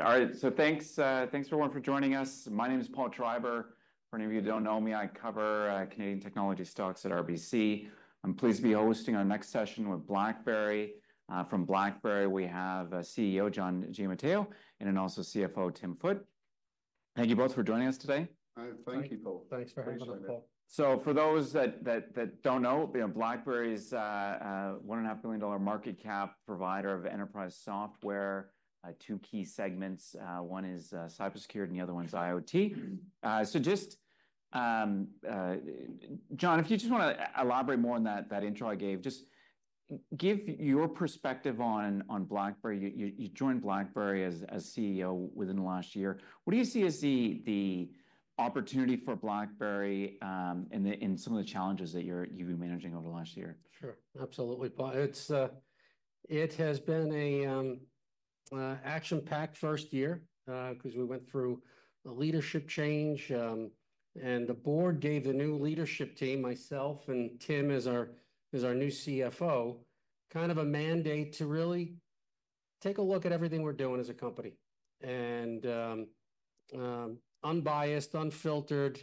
All right, so thanks everyone for joining us. My name is Paul Treiber. For any of you who don't know me, I cover Canadian technology stocks at RBC. I'm pleased to be hosting our next session with BlackBerry. From BlackBerry, we have CEO John Giamatteo and also CFO Tim Foote. Thank you both for joining us today. Thank you, Paul. Thanks very much, Paul. So for those that don't know, BlackBerry is a $1.5 billion market cap provider of enterprise software. Two key segments: one is cybersecurity and the other one is IoT. So just, John, if you just want to elaborate more on that intro I gave, just give your perspective on BlackBerry. You joined BlackBerry as CEO within the last year. What do you see as the opportunity for BlackBerry and some of the challenges that you've been managing over the last year? Sure, absolutely. It has been an action-packed first year because we went through a leadership change, and the board gave the new leadership team, myself and Tim as our new CFO, kind of a mandate to really take a look at everything we're doing as a company. And, unbiased, unfiltered,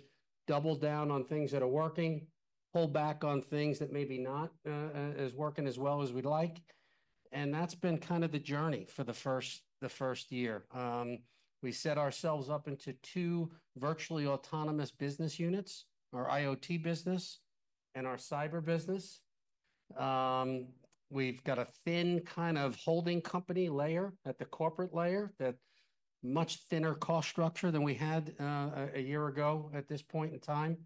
double down on things that are working, pull back on things that maybe not are working as well as we'd like. And that's been kind of the journey for the first year. We set ourselves up into two virtually autonomous business units, our IoT business and our cyber business. We've got a thin kind of holding company layer at the corporate layer, that much thinner cost structure than we had a year ago at this point in time.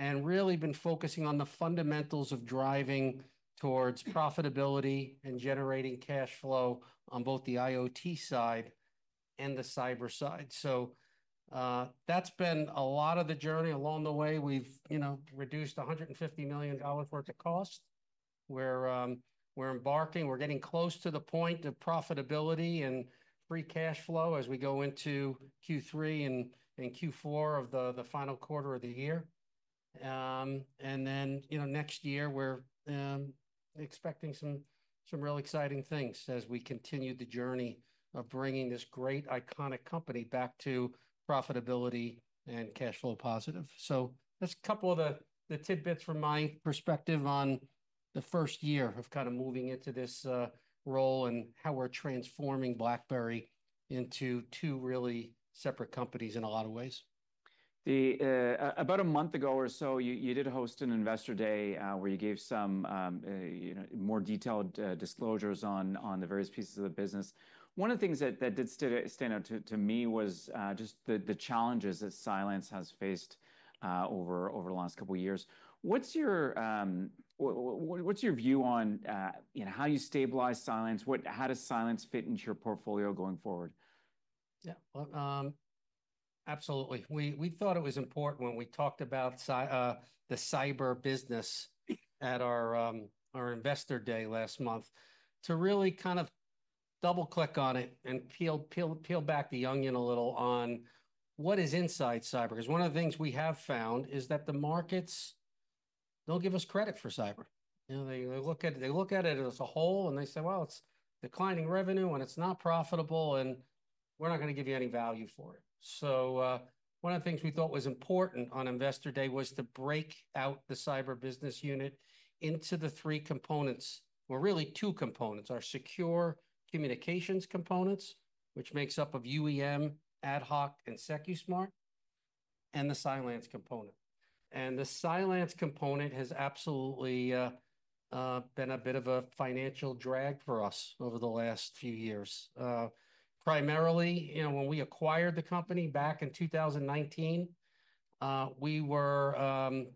Really been focusing on the fundamentals of driving towards profitability and generating cash flow on both the IoT side and the cyber side. So that's been a lot of the journey. Along the way, we've reduced $150 million worth of cost. We're embarking, we're getting close to the point of profitability and free cash flow as we go into Q3 and Q4 of the final quarter of the year. Next year, we're expecting some real exciting things as we continue the journey of bringing this great iconic company back to profitability and cash flow positive. That's a couple of the tidbits from my perspective on the first year of kind of moving into this role and how we're transforming BlackBerry into two really separate companies in a lot of ways. About a month ago or so, you did host an Investor Day where you gave some more detailed disclosures on the various pieces of the business. One of the things that did stand out to me was just the challenges that Cylance has faced over the last couple of years. What's your view on how you stabilize Cylance? How does Cylance fit into your portfolio going forward? Yeah, absolutely. We thought it was important when we talked about the cyber business at our Investor Day last month to really kind of double-click on it and peel back the onion a little on what is inside cyber. Because one of the things we have found is that the markets, they'll give us credit for cyber. They look at it as a whole and they say, "Well, it's declining revenue and it's not profitable and we're not going to give you any value for it." So one of the things we thought was important on Investor Day was to break out the cyber business unit into the three components, or really two components, our secure communications components, which makes up of UEM, AtHoc, and Secusmart, and the Cylance component. And the Cylance component has absolutely been a bit of a financial drag for us over the last few years. Primarily, when we acquired the company back in 2019, we were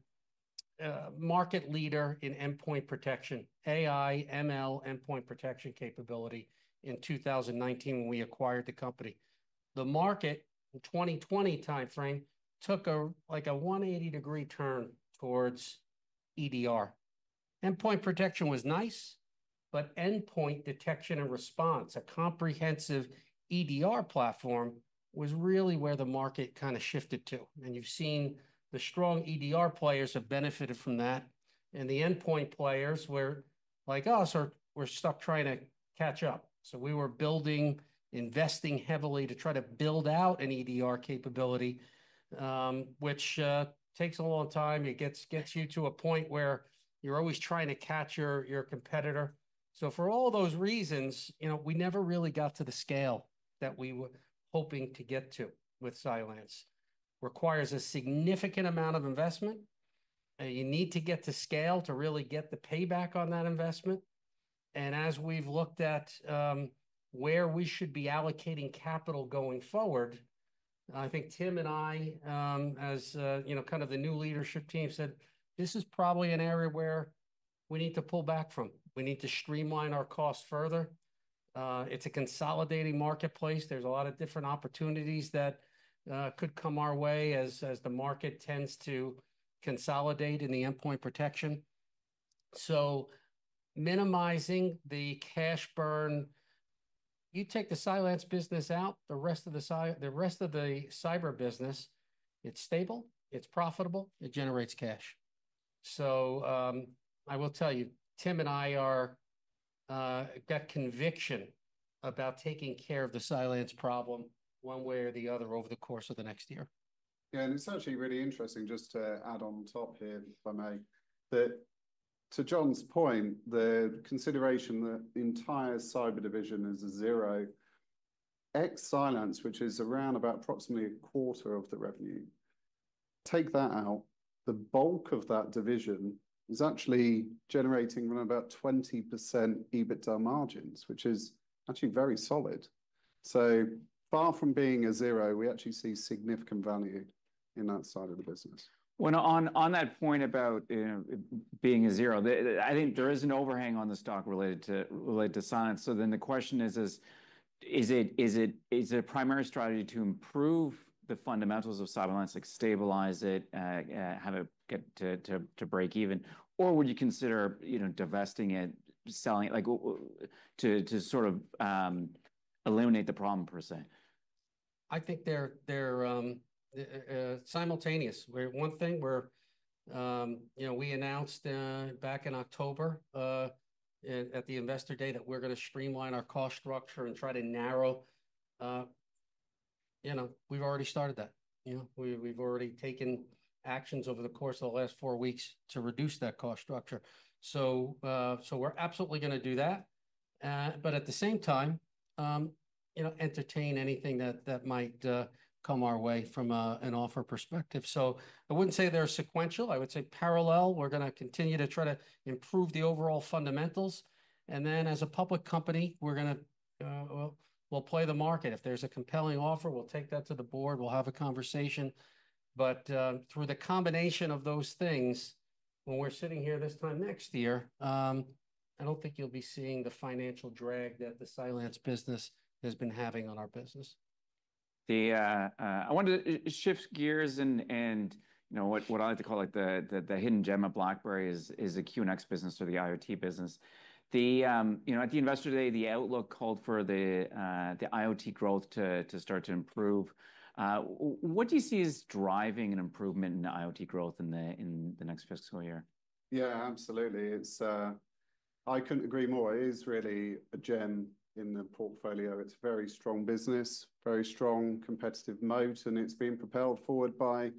market leader in endpoint protection, AI/ML endpoint protection capability in 2019 when we acquired the company. The market in the 2020 timeframe took a 180-degree turn towards EDR. Endpoint protection was nice, but endpoint detection and response, a comprehensive EDR platform, was really where the market kind of shifted to, and you've seen the strong EDR players have benefited from that, and the endpoint players were like us, we're stuck trying to catch up. So we were building, investing heavily to try to build out an EDR capability, which takes a long time. It gets you to a point where you're always trying to catch your competitor, so for all those reasons, we never really got to the scale that we were hoping to get to with Cylance. It requires a significant amount of investment. You need to get to scale to really get the payback on that investment. As we've looked at where we should be allocating capital going forward, I think Tim and I, as kind of the new leadership team, said, "This is probably an area where we need to pull back from. We need to streamline our costs further. It's a consolidating marketplace. There's a lot of different opportunities that could come our way as the market tends to consolidate in the endpoint protection." Minimizing the cash burn, you take the Cylance business out, the rest of the cyber business, it's stable, it's profitable, it generates cash. I will tell you, Tim and I got conviction about taking care of the Cylance problem one way or the other over the course of the next year. Yeah, and it's actually really interesting, just to add on top here, if I may, that to John's point, the consideration that the entire cyber division is a zero, ex-Cylance, which is around about approximately a quarter of the revenue, take that out, the bulk of that division is actually generating around about 20% EBITDA margins, which is actually very solid. So far from being a zero, we actually see significant value in that side of the business. On that point about being a zero, I think there is an overhang on the stock related to Cylance. So then the question is, is it a primary strategy to improve the fundamentals of Cylance, like stabilize it, have it get to break even? Or would you consider divesting it, selling it, to sort of eliminate the problem per se? I think they're simultaneous. One thing we announced back in October at the Investor Day that we're going to streamline our cost structure and try to narrow. We've already started that. We've already taken actions over the course of the last four weeks to reduce that cost structure, so we're absolutely going to do that but at the same time entertain anything that might come our way from an offer perspective, so I wouldn't say they're sequential. I would say parallel. We're going to continue to try to improve the overall fundamentals, and then as a public company, we'll play the market. If there's a compelling offer, we'll take that to the board. We'll have a conversation. But through the combination of those things, when we're sitting here this time next year, I don't think you'll be seeing the financial drag that the Cylance business has been having on our business. I wanted to shift gears and what I like to call the hidden gem of BlackBerry is a QNX business or the IoT business. At the Investor Day, the outlook called for the IoT growth to start to improve. What do you see as driving an improvement in the IoT growth in the next fiscal year? Yeah, absolutely. I couldn't agree more. It is really a gem in the portfolio. It's a very strong business, very strong competitive moat, and it's being propelled forward by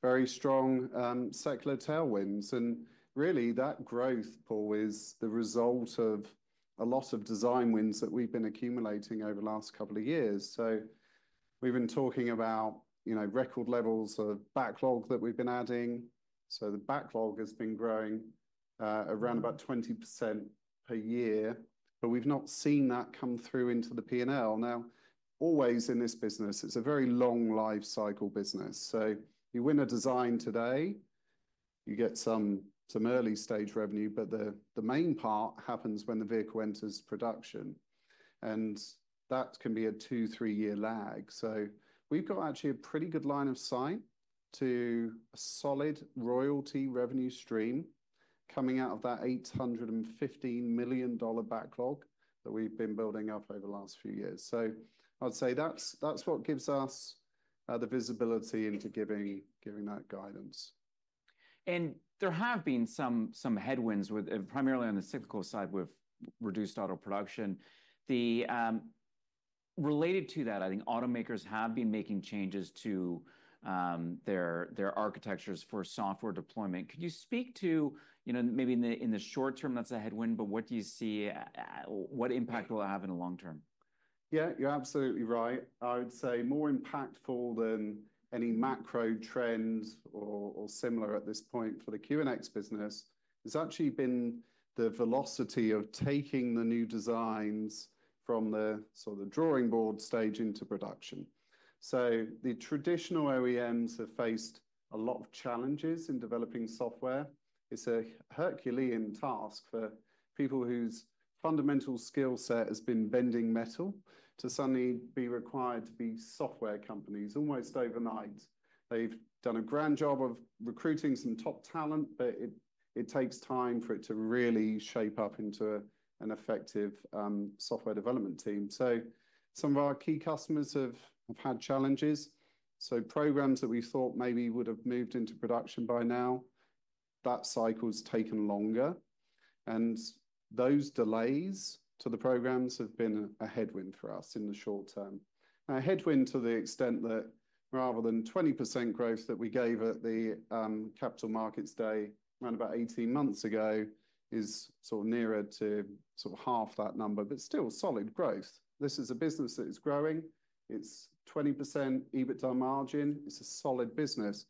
very strong secular tailwinds. And really, that growth, Paul, is the result of a lot of design wins that we've been accumulating over the last couple of years. So we've been talking about record levels of backlog that we've been adding. So the backlog has been growing around about 20% per year, but we've not seen that come through into the P&L. Now, always in this business, it's a very long lifecycle business. So you win a design today, you get some early stage revenue, but the main part happens when the vehicle enters production. And that can be a two, three-year lag. So we've got actually a pretty good line of sight to a solid royalty revenue stream coming out of that $815 million backlog that we've been building up over the last few years. So I'd say that's what gives us the visibility into giving that guidance. And there have been some headwinds, primarily on the cyclical side with reduced auto production. Related to that, I think automakers have been making changes to their architectures for software deployment. Could you speak to maybe in the short term, that's a headwind, but what do you see impact will it have in the long term? Yeah, you're absolutely right. I would say more impactful than any macro trends or similar at this point for the QNX business has actually been the velocity of taking the new designs from the sort of drawing board stage into production. So the traditional OEMs have faced a lot of challenges in developing software. It's a Herculean task for people whose fundamental skill set has been bending metal to suddenly be required to be software companies almost overnight. They've done a grand job of recruiting some top talent, but it takes time for it to really shape up into an effective software development team. So some of our key customers have had challenges. So programs that we thought maybe would have moved into production by now, that cycle has taken longer. And those delays to the programs have been a headwind for us in the short term. Now, a headwind to the extent that, rather than 20% growth that we gave at the Capital Markets Day around about 18 months ago, is sort of nearer to sort of half that number, but still solid growth. This is a business that is growing. It's 20% EBITDA margin. It's a solid business.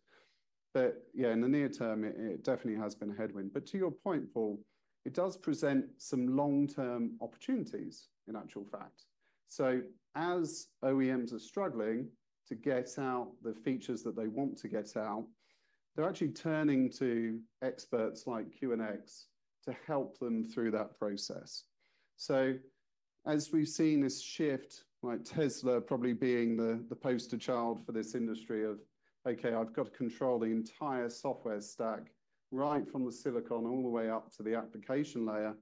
But yeah, in the near term, it definitely has been a headwind. But to your point, Paul, it does present some long-term opportunities in actual fact. So as OEMs are struggling to get out the features that they want to get out, they're actually turning to experts like QNX to help them through that process. So as we've seen this shift, Tesla probably being the poster child for this industry of, "Okay, I've got to control the entire software stack right from the silicon all the way up to the application layer."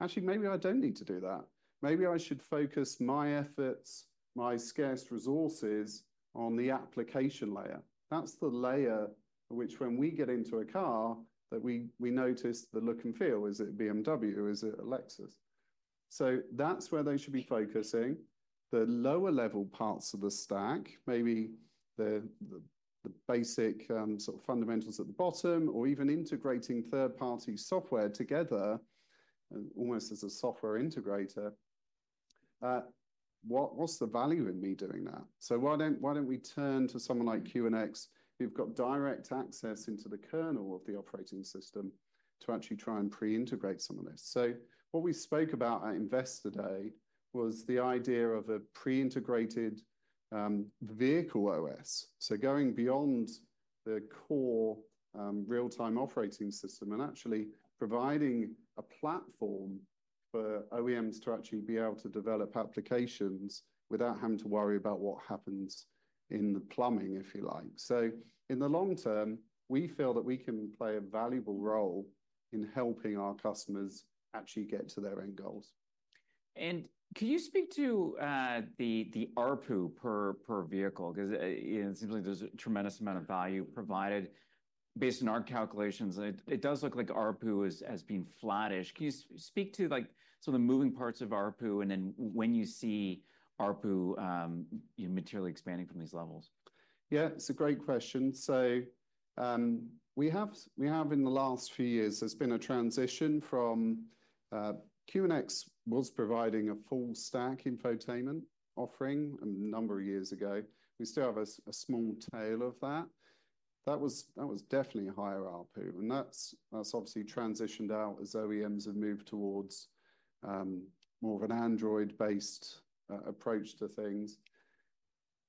Actually, maybe I don't need to do that. Maybe I should focus my efforts, my scarce resources on the application layer. That's the layer which, when we get into a car, that we notice the look and feel. Is it BMW? Is it Lexus? So that's where they should be focusing. The lower-level parts of the stack, maybe the basic sort of fundamentals at the bottom or even integrating third-party software together almost as a software integrator, what's the value in me doing that? So why don't we turn to someone like QNX who've got direct access into the kernel of the operating system to actually try and pre-integrate some of this? What we spoke about at Investor Day was the idea of a pre-integrated Vehicle OS. Going beyond the core real-time operating system and actually providing a platform for OEMs to actually be able to develop applications without having to worry about what happens in the plumbing, if you like. In the long term, we feel that we can play a valuable role in helping our customers actually get to their end goals. Could you speak to the ARPU per vehicle? Because it seems like there's a tremendous amount of value provided. Based on our calculations, it does look like ARPU has been flattish. Can you speak to some of the moving parts of ARPU and then when you see ARPU materially expanding from these levels? Yeah, it's a great question. So, in the last few years, there's been a transition from QNX was providing a full stack infotainment offering a number of years ago. We still have a small tail of that. That was definitely a higher ARPU. And that's obviously transitioned out as OEMs have moved towards more of an Android-based approach to things.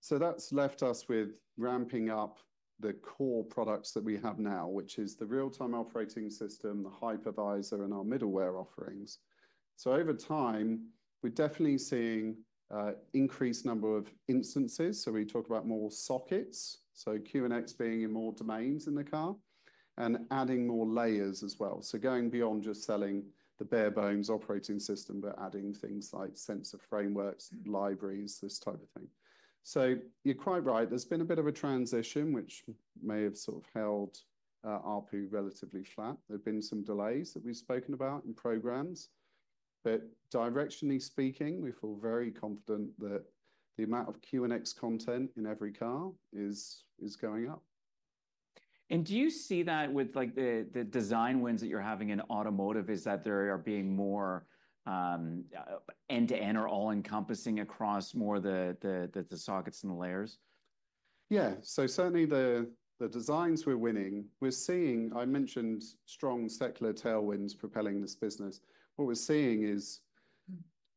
So that's left us with ramping up the core products that we have now, which is the real-time operating system, the hypervisor, and our middleware offerings. So over time, we're definitely seeing an increased number of instances. So we talk about more sockets, so QNX being in more domains in the car and adding more layers as well. So going beyond just selling the bare bones operating system, but adding things like sensor frameworks, libraries, this type of thing. So you're quite right. There's been a bit of a transition, which may have sort of held ARPU relatively flat. There have been some delays that we've spoken about in programs. But directionally speaking, we feel very confident that the amount of QNX content in every car is going up. Do you see that with the design wins that you're having in automotive? Is that there are being more end-to-end or all-encompassing across more of the sockets and the layers? Yeah. So certainly the designs we're winning, we're seeing. I mentioned strong secular tailwinds propelling this business. What we're seeing is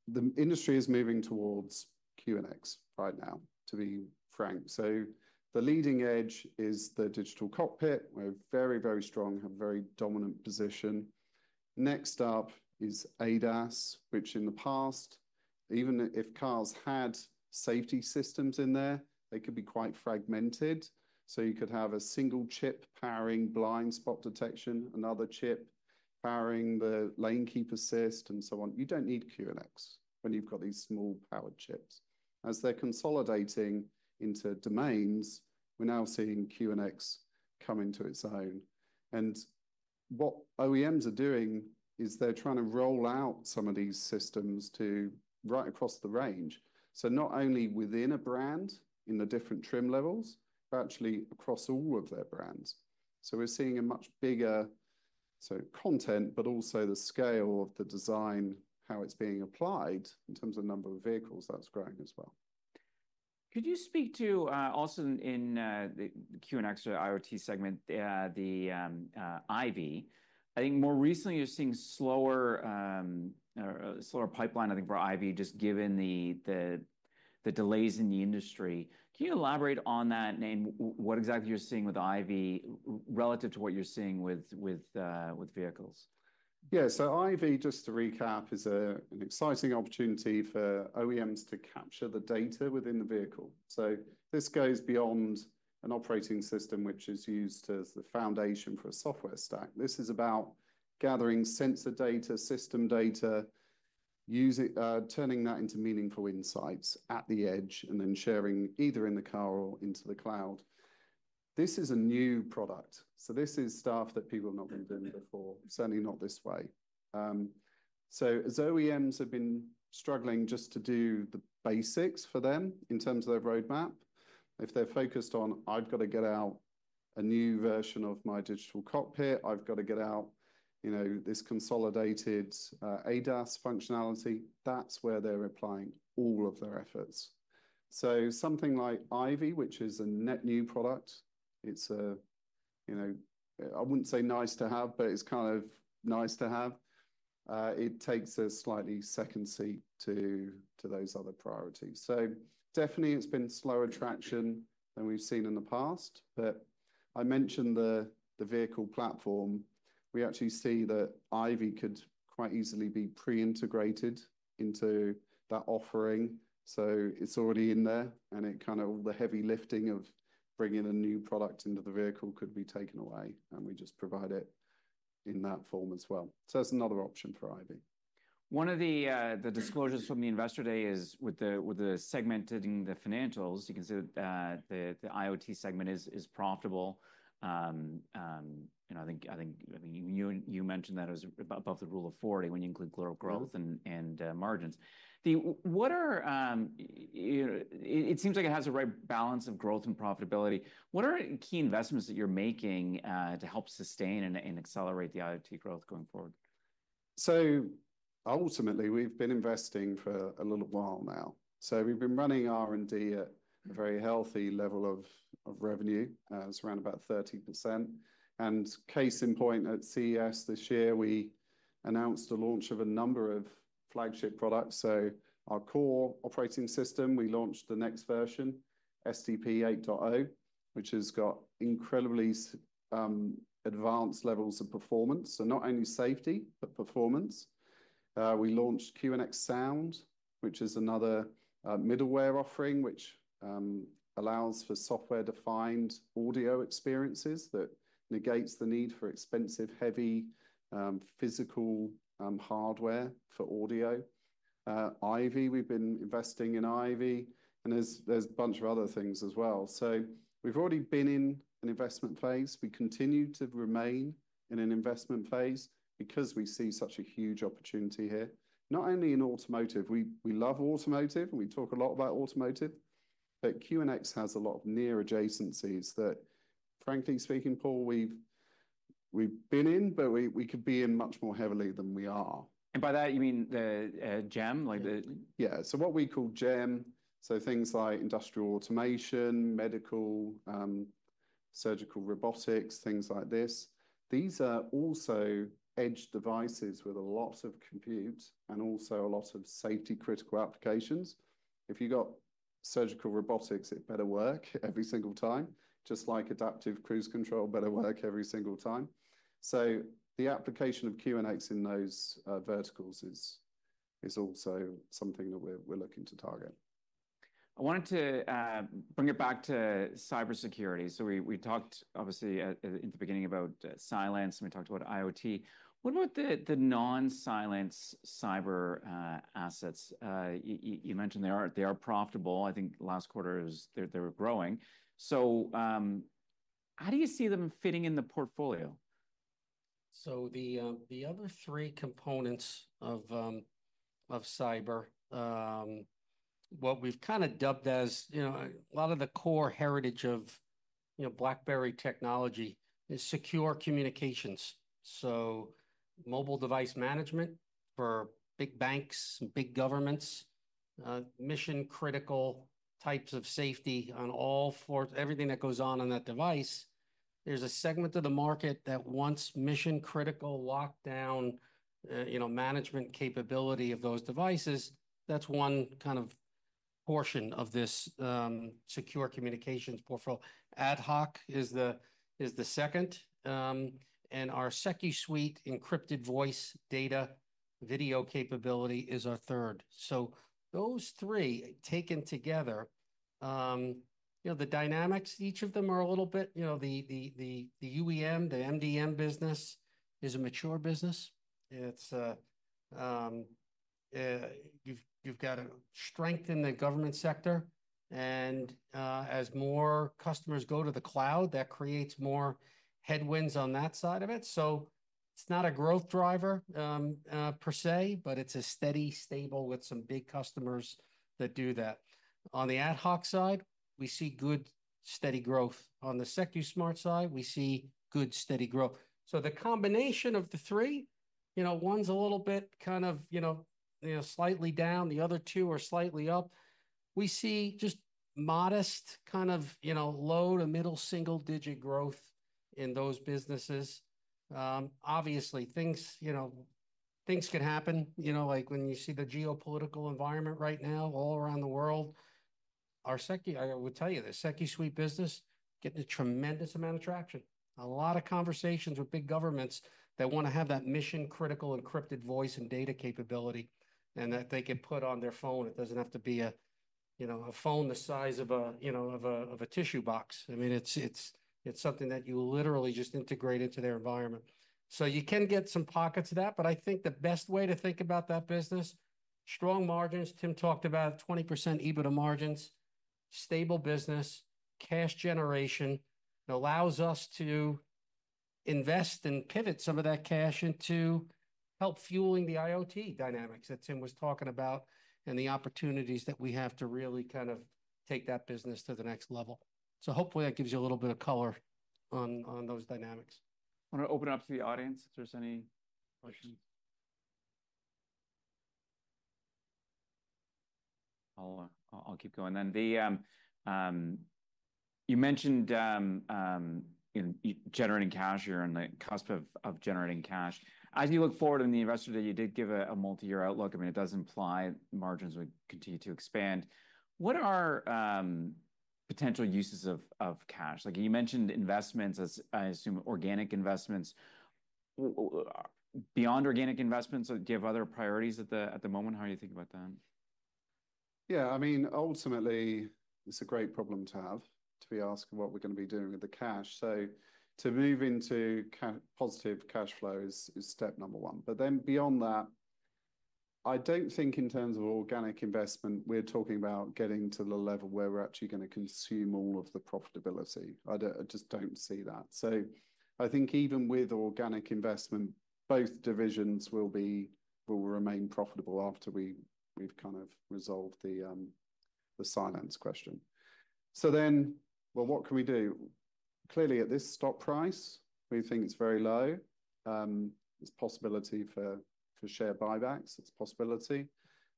the industry is moving towards QNX right now, to be frank. So the leading edge is the digital cockpit. We're very, very strong, have a very dominant position. Next up is ADAS, which in the past, even if cars had safety systems in there, they could be quite fragmented. So you could have a single chip powering blind spot detection, another chip powering the lane keep assist and so on. You don't need QNX when you've got these small powered chips. As they're consolidating into domains, we're now seeing QNX come into its own. And what OEMs are doing is they're trying to roll out some of these systems to right across the range. So not only within a brand in the different trim levels, but actually across all of their brands. So we're seeing a much bigger content, but also the scale of the design, how it's being applied in terms of number of vehicles that's growing as well. Could you speak to, also, in the QNX or IoT segment, the IVY? I think more recently you're seeing a slower pipeline, I think, for IVY, just given the delays in the industry. Can you elaborate on that and what exactly you're seeing with IVY relative to what you're seeing with vehicles? Yeah. So IVY, just to recap, is an exciting opportunity for OEMs to capture the data within the vehicle. So this goes beyond an operating system, which is used as the foundation for a software stack. This is about gathering sensor data, system data, turning that into meaningful insights at the edge, and then sharing either in the car or into the cloud. This is a new product. So this is stuff that people have not been doing before, certainly not this way. So as OEMs have been struggling just to do the basics for them in terms of their roadmap, if they're focused on, "I've got to get out a new version of my Digital Cockpit, I've got to get out this consolidated ADAS functionality," that's where they're applying all of their efforts. So something like IVY, which is a net new product, I wouldn't say nice to have, but it's kind of nice to have. It takes a slightly second seat to those other priorities. So definitely, it's been slower traction than we've seen in the past. But I mentioned the vehicle platform. We actually see that IVY could quite easily be pre-integrated into that offering. So it's already in there, and it kind of all the heavy lifting of bringing a new product into the vehicle could be taken away, and we just provide it in that form as well. So that's another option for IVY. One of the disclosures from the Investor Day is segmenting the financials. You can see that the IoT segment is profitable. I think you mentioned that it was above the Rule of 40 when you include growth and margins. It seems like it has a right balance of growth and profitability. What are key investments that you're making to help sustain and accelerate the IoT growth going forward? So ultimately, we've been investing for a little while now. So we've been running R&D at a very healthy level of revenue around 30%. And case in point at CES this year, we announced the launch of a number of flagship products. So our core operating system, we launched the next version, QNX SDP 8.0, which has got incredibly advanced levels of performance. So not only safety, but performance. We launched QNX Sound, which is another middleware offering, which allows for software-defined audio experiences that negates the need for expensive, heavy physical hardware for audio. IVY, we've been investing in IVY. And there's a bunch of other things as well. So we've already been in an investment phase. We continue to remain in an investment phase because we see such a huge opportunity here. Not only in automotive. We love automotive, and we talk a lot about automotive. But QNX has a lot of near adjacencies that, frankly speaking, Paul, we've been in, but we could be in much more heavily than we are. By that, you mean the GEM? Yeah, so what we call GEM, so things like industrial automation, medical, surgical robotics, things like this, these are also edge devices with a lot of compute and also a lot of safety-critical applications. If you've got surgical robotics, it better work every single time, just like adaptive cruise control better work every single time. So the application of QNX in those verticals is also something that we're looking to target. I wanted to bring it back to cybersecurity. So we talked, obviously, in the beginning about Cylance, and we talked about IoT. What about the non-Cylance cyber assets? You mentioned they are profitable. I think last quarter, they were growing. So how do you see them fitting in the portfolio? So the other three components of cyber, what we've kind of dubbed as a lot of the core heritage of BlackBerry technology is secure communications. Mobile device management for big banks and big governments, mission-critical types of safety on all fronts, everything that goes on that device. There's a segment of the market that wants mission-critical lockdown management capability of those devices. That's one kind of portion of this secure communications portfolio. AtHoc is the second. And our SecuSUITE encrypted voice data video capability is our third. So those three taken together, the dynamics, each of them are a little bit the UEM, the MDM business is a mature business. You've got a strong government sector. And as more customers go to the cloud, that creates more headwinds on that side of it. So it's not a growth driver per se, but it's a steady, stable with some big customers that do that. On the AtHoc side, we see good steady growth. On the Secusmart side, we see good steady growth. So the combination of the three, one's a little bit kind of slightly down. The other two are slightly up. We see just modest kind of low to middle single-digit growth in those businesses. Obviously, things can happen. Like when you see the geopolitical environment right now all around the world, our SecuSUITE, I would tell you this, SecuSUITE business, getting a tremendous amount of traction. A lot of conversations with big governments that want to have that mission-critical encrypted voice and data capability and that they can put on their phone. It doesn't have to be a phone the size of a tissue box. I mean, it's something that you literally just integrate into their environment. So you can get some pockets of that. But I think the best way to think about that business, strong margins, Tim talked about 20% EBITDA margins, stable business, cash generation, it allows us to invest and pivot some of that cash into help fueling the IoT dynamics that Tim was talking about and the opportunities that we have to really kind of take that business to the next level. So hopefully, that gives you a little bit of color on those dynamics. I want to open it up to the audience if there's any questions. I'll keep going, and you mentioned generating cash, you're on the cusp of generating cash. As you look forward in the investor day, you did give a multi-year outlook. I mean, it does imply margins would continue to expand. What are potential uses of cash? You mentioned investments, I assume, organic investments. Beyond organic investments, do you have other priorities at the moment? How do you think about that? Yeah. I mean, ultimately, it's a great problem to have to be asked what we're going to be doing with the cash, so to move into positive cash flow is step number one, but then beyond that, I don't think in terms of organic investment, we're talking about getting to the level where we're actually going to consume all of the profitability. I just don't see that, so I think even with organic investment, both divisions will remain profitable after we've kind of resolved the Cylance question, so then, well, what can we do? Clearly, at this stock price, we think it's very low. There's possibility for share buybacks. It's a possibility,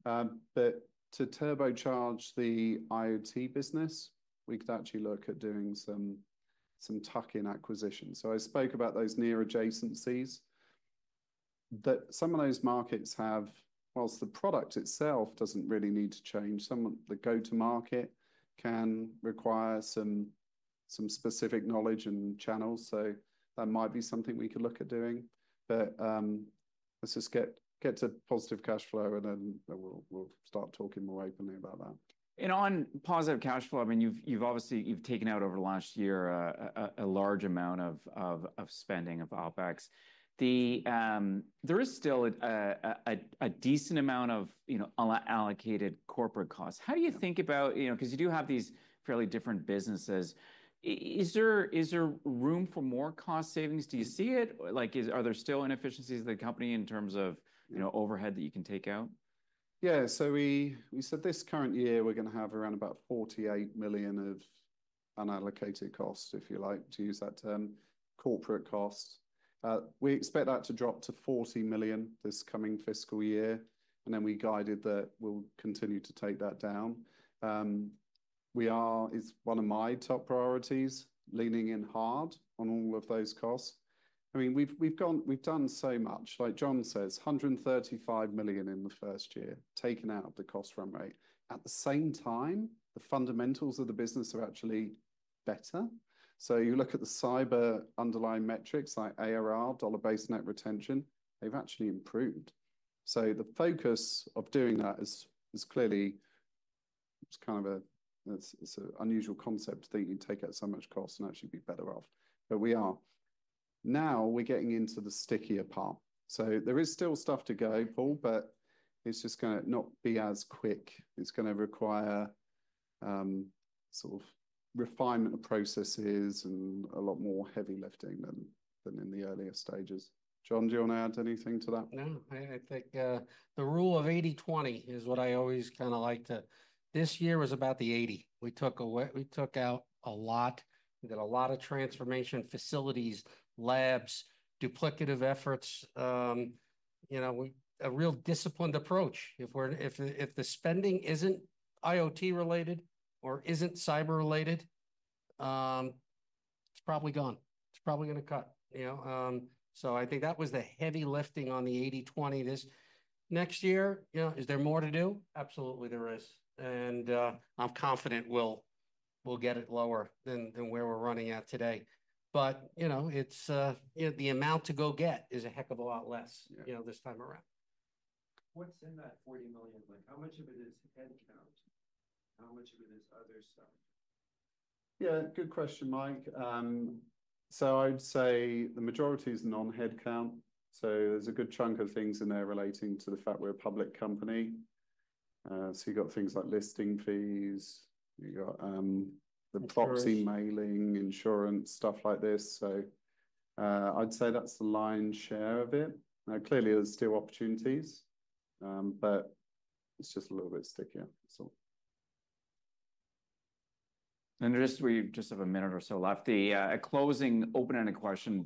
but to turbocharge the IoT business, we could actually look at doing some tuck-in acquisitions. So I spoke about those near adjacencies that some of those markets have, while the product itself doesn't really need to change, the go-to-market can require some specific knowledge and channels. So that might be something we could look at doing. But let's just get to positive cash flow, and then we'll start talking more openly about that. On positive cash flow, I mean, you've obviously taken out over the last year a large amount of spending of OPEX. There is still a decent amount of allocated corporate costs. How do you think about, because you do have these fairly different businesses, is there room for more cost savings? Do you see it? Are there still inefficiencies in the company in terms of overhead that you can take out? Yeah. So we said this current year, we're going to have around about $48 million of unallocated costs, if you like, to use that term, corporate costs. We expect that to drop to $40 million this coming fiscal year. And then we guided that we'll continue to take that down. It's one of my top priorities, leaning in hard on all of those costs. I mean, we've done so much. Like John says, $135 million in the first year taken out of the cost run rate. At the same time, the fundamentals of the business are actually better. So you look at the cyber underlying metrics like ARR, dollar-based net retention, they've actually improved. So the focus of doing that is clearly kind of an unusual concept to think you'd take out so much cost and actually be better off. But we are. Now we're getting into the stickier part. So there is still stuff to go, Paul, but it's just going to not be as quick. It's going to require sort of refinement of processes and a lot more heavy lifting than in the earlier stages. John, do you want to add anything to that? No. I think the rule of 80/20 is what I always kind of like. To this year was about the 80. We took out a lot. We did a lot of transformation, facilities, labs, duplicative efforts, a real disciplined approach. If the spending isn't IoT-related or isn't cyber-related, it's probably gone. It's probably going to cut. So I think that was the heavy lifting on the 80/20. Next year, is there more to do? Absolutely, there is. And I'm confident we'll get it lower than where we're running at today. But the amount to go get is a heck of a lot less this time around. What's in that $40 million? How much of it is headcount? How much of it is other stuff? Yeah, good question, Mike. So I'd say the majority is non-headcount. So there's a good chunk of things in there relating to the fact we're a public company. So you've got things like listing fees. You've got the proxy mailing, insurance, stuff like this. So I'd say that's the lion's share of it. Now, clearly, there's still opportunities, but it's just a little bit stickier. We just have a minute or so left. A closing open-ended question.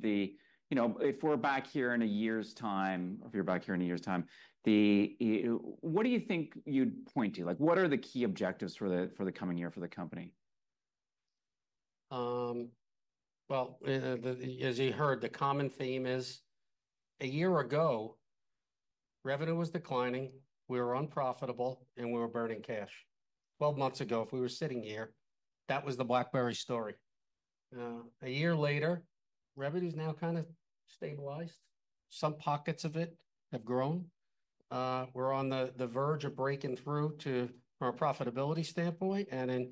If we're back here in a year's time, if you're back here in a year's time, what do you think you'd point to? What are the key objectives for the coming year for the company? As you heard, the common theme is a year ago, revenue was declining, we were unprofitable, and we were burning cash. 12 months ago, if we were sitting here, that was the BlackBerry story. A year later, revenue's now kind of stabilized. Some pockets of it have grown. We're on the verge of breaking through from a profitability standpoint. In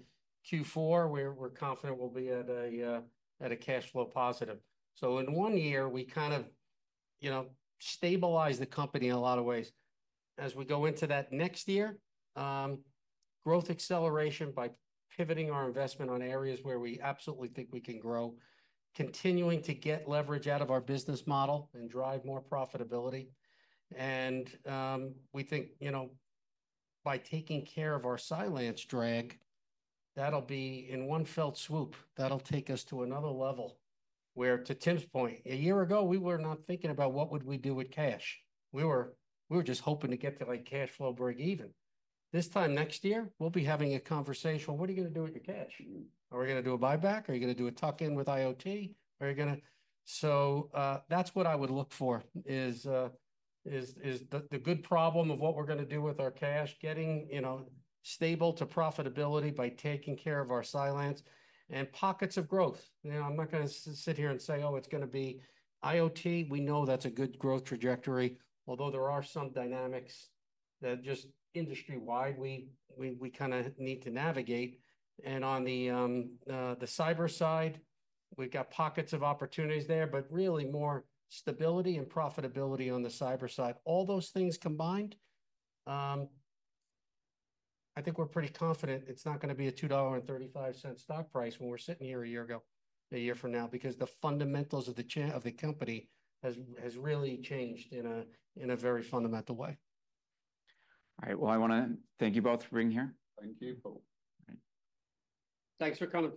Q4, we're confident we'll be at a cash flow positive. In one year, we kind of stabilized the company in a lot of ways. As we go into that next year, growth acceleration by pivoting our investment on areas where we absolutely think we can grow, continuing to get leverage out of our business model and drive more profitability. And we think by taking care of our Cylance drag, that'll be in one fell swoop, that'll take us to another level where, to Tim's point, a year ago, we were not thinking about what would we do with cash. We were just hoping to get to cash flow break even. This time next year, we'll be having a conversation. What are you going to do with your cash? Are we going to do a buyback? Are you going to do a tuck-in with IoT? So that's what I would look for is the good problem of what we're going to do with our cash, getting stable to profitability by taking care of our Cylance and pockets of growth. I'm not going to sit here and say, "Oh, it's going to be IoT." We know that's a good growth trajectory, although there are some dynamics that just industry-wide we kind of need to navigate. And on the cyber side, we've got pockets of opportunities there, but really more stability and profitability on the cyber side. All those things combined, I think we're pretty confident it's not going to be a $2.35 stock price when we're sitting here a year ago, a year from now, because the fundamentals of the company has really changed in a very fundamental way. All right. I want to thank you both for being here. Thank you, Paul. Thanks for talking.